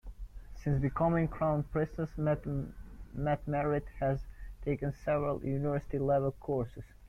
Since becoming Crown Princess, Mette-Marit has taken several university level courses.